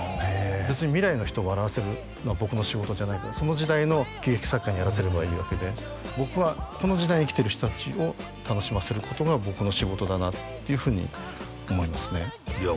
別に未来の人を笑わせるのは僕の仕事じゃないからその時代の喜劇作家にやらせればいいわけで僕はこの時代に生きている人達を楽しませることが僕の仕事だなっていうふうに思いますねいや